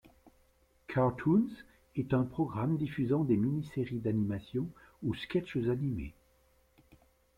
Cartoons est un programme diffusant des mini- séries d'animation ou sketches animés.